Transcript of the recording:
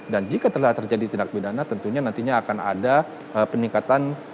dan jika telah terjadi tindak pidana tentunya nantinya akan ada peningkatan